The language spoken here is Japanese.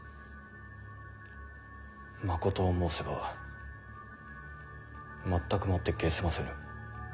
まことを申せば全くもって解せませぬ。